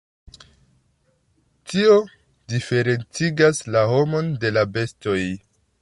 Tio diferencigas la homon de la bestoj.